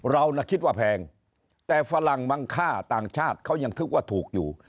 เราน่ะคิดว่าแพงแต่ฝรั่งบางค่าต่างชาติเขายังนึกว่าถูกอยู่